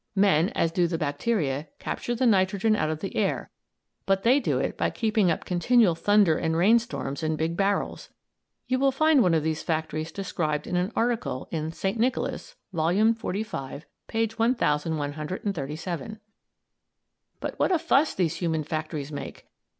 Men, as do the bacteria, capture the nitrogen out of the air, but they do it by keeping up continual thunder and rain storms in big barrels. You will find one of these factories described in an article in St. Nicholas, Volume 45, page 1137. But what a fuss these human factories make!